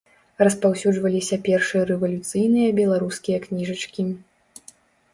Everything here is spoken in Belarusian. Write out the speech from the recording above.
Распаўсюджваліся першыя рэвалюцыйныя беларускія кніжачкі.